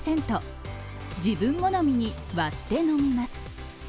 自分好みに割って飲みます。